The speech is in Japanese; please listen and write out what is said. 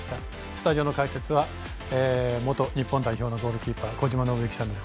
スタジオの解説は元日本代表のゴールキーパー小島伸幸さんです。